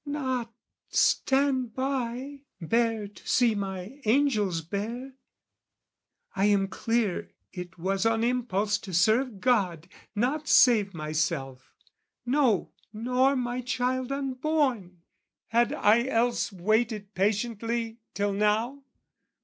Not "Stand by, bear to see my angels bear!" I am clear it was on impulse to serve God Not save myself, no nor my child unborn! Had I else waited patiently till now?